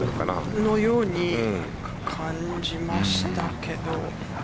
そのように感じましたけど。